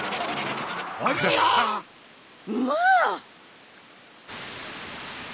まあ！